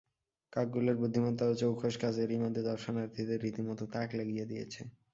কাকগুলোর বুদ্ধিমত্তা ও চৌকস কাজ এরই মধ্যে দর্শনার্থীদের রীতিমতো তাক লাগিয়ে দিয়েছে।